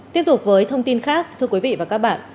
tiếp tục với thông tin khác thưa quý vị và các bạn